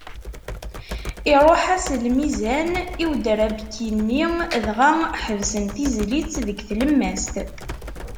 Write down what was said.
Iruḥ-as lmizan i udrabki-nni, dɣa ḥebsen tizlit deg tlemmast.